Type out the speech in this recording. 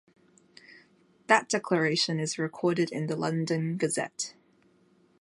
That declaration is recorded in the "London Gazette".